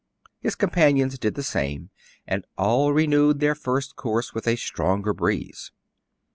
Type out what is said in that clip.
His companions did the same, and all renewed their first course with a stronger breeze.